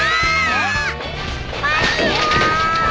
待ってよー！